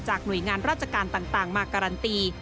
หน่วยงานราชการต่างมาการันตี